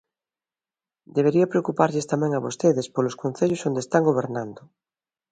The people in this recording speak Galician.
Debería preocuparlles tamén a vostedes polos concellos onde están gobernando.